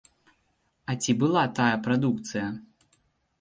А ці была тая прадукцыя?